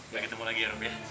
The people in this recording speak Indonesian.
nggak ketemu lagi ya ruf ya